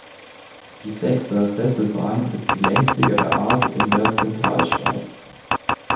Die Sechser-Sesselbahn ist die längste ihrer Art in der Zentralschweiz.